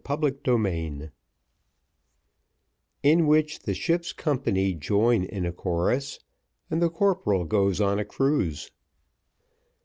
Chapter XIII In which the ship's company join in a chorus, and the corporal goes on a cruise.